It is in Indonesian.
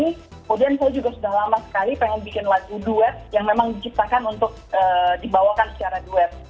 kemudian saya juga sudah lama sekali pengen bikin lagu duet yang memang diciptakan untuk dibawakan secara duet